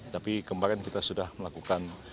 tapi kemarin kita sudah melakukan